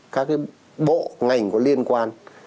các bộ ngành liên quan